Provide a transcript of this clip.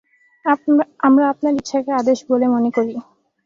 আমরা আপনার ইচ্ছাকে আদেশ বলে মনে করি।